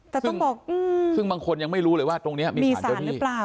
แต่ต้องบอกซึ่งบางคนยังไม่รู้เลยว่าตรงนี้มีสารเจ้าที่หรือเปล่า